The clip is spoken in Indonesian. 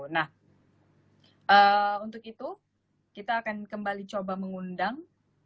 nah untuk itu kita akan kembali coba mengundang